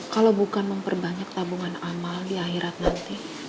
kalau bukan memperbanyak tabungan amal di akhirat nanti